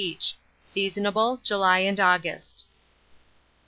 each; seasonable, July and August.